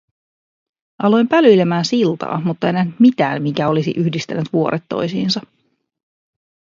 Aloin pälyilemään siltaa, mutta en nähnyt mitään, mikä olisi yhdistänyt vuoret toisiinsa.